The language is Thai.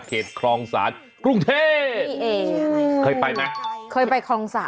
เขตครองสารกรุงเทศ